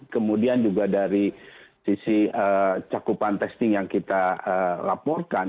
kemudian juga dari sisi cakupan testing yang kita laporkan